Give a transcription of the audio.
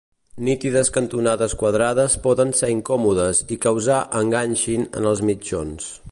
Nítides cantonades quadrades poden ser incòmodes i causar enganxin en els mitjons.